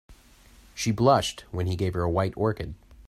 She blushed when he gave her a white orchid.